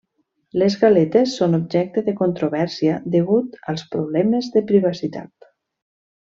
Les galetes són objecte de controvèrsia degut als problemes de privacitat.